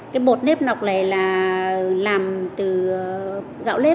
cái bột nếp nọc này là làm từ gạo nếp